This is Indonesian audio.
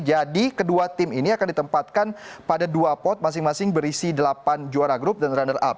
jadi kedua tim ini akan ditempatkan pada dua pot masing masing berisi delapan juara grup dan runner up